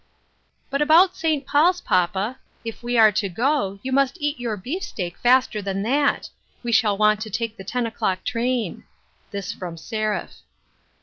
" But *about St. Paul's, papa ; if we are to go, you must eat your beefsteak faster than that ; we shall want to take the ten o'clock train." This from Seraph.